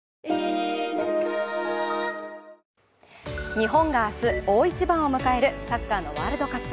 日本が明日大一番を迎えるサッカーのワールドカップ。